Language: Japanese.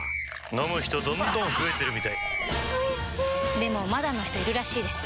飲む人どんどん増えてるみたいおいしでもまだの人いるらしいですよ